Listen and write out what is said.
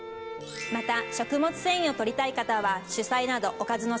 また食物繊維を取りたい方は。